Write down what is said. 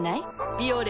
「ビオレ」